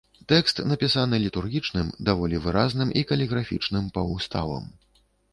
Тэкст напісаны літургічным, даволі выразным і каліграфічным паўуставам.